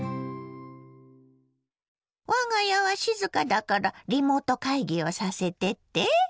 我が家は静かだからリモート会議をさせてって？